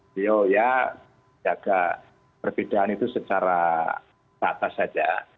beliau ya jaga perbedaan itu secara ratas saja